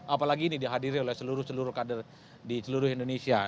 apalagi ini dihadiri oleh seluruh seluruh kader di seluruh indonesia